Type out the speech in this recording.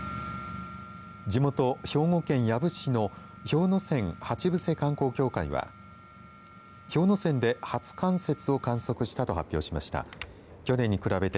地元、兵庫県養父市の氷ノ山鉢伏観光協会は氷ノ山で初冠雪を観測したと発表しました。